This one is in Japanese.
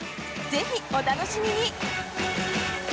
ぜひ、お楽しみに！